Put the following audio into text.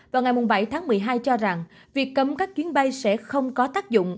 vào ngày bảy tháng một mươi hai cho rằng việc cấm các chuyến bay sẽ không có tác dụng